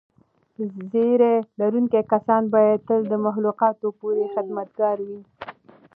ږیره لرونکي کسان باید تل د مخلوقاتو پوره خدمتګار وي.